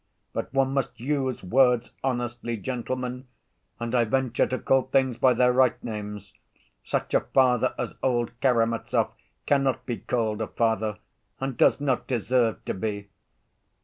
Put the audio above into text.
But one must use words honestly, gentlemen, and I venture to call things by their right names: such a father as old Karamazov cannot be called a father and does not deserve to be.